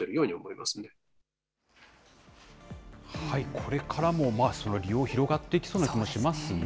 これからも利用が広がっていきそうな気もしますね。